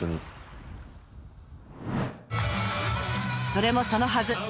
それもそのはず